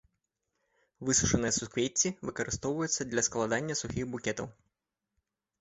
Высушаныя суквецці выкарыстоўваюцца для складання сухіх букетаў.